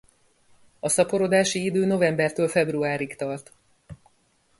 A szaporodási idő novembertől februárig tart.